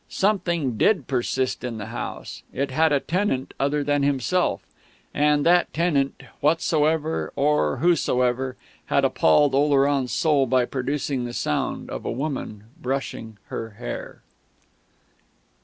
Something did persist in the house; it had a tenant other than himself; and that tenant, whatsoever or whosoever, had appalled Oleron's soul by producing the sound of a woman brushing her hair.